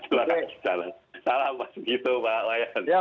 ya pak wayan salam pak segito pak wayan